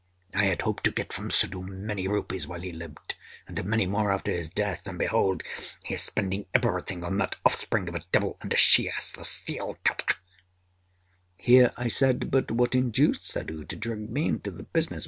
I had hoped to get from Suddhoo many rupees while he lived, and many more after his death; and behold, he is spending everything on that offspring of a devil and a she ass, the seal cutter!â Here I said: âBut what induced Suddhoo to drag me into the business?